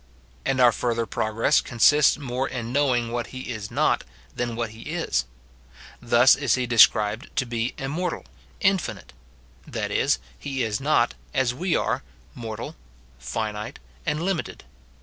And our fur ther progress consists more in knowing what he is not, than what he is. Thus is he described to be immortal, infinite, — that is, he is not, as we are, mortal, finite, and limited.